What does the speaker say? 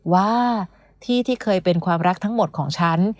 ว่าที่ที่เคยเป็นความรักทั้งหมดของฉัน